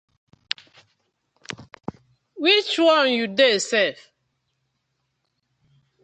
Which one yu dey sef?